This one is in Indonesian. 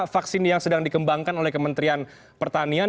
vaksin yang sedang dikembangkan oleh kementerian pertanian